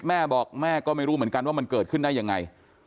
แม่บอกแม่ก็ไม่รู้เหมือนกันว่ามันเกิดขึ้นได้ยังไง